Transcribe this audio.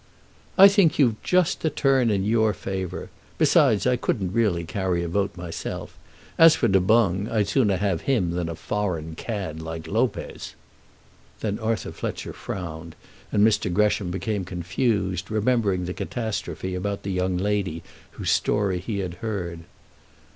"I think you've just a turn in your favour. Besides, I couldn't really carry a vote myself. As for Du Boung, I'd sooner have him than a foreign cad like Lopez." Then Arthur Fletcher frowned and Mr. Gresham became confused, remembering the catastrophe about the young lady whose story he had heard.